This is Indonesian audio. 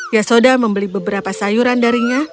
yasoda membeli beberapa sayuran darinya